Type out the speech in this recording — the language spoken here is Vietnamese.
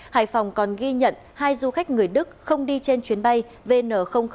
hải phòng còn ghi nhận hai du khách người đức không đi trên chuyến bay vn năm